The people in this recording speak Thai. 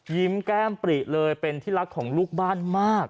แก้มปริเลยเป็นที่รักของลูกบ้านมาก